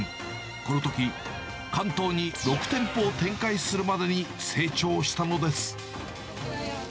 このとき、関東に６店舗を展開するまでに成長したのです。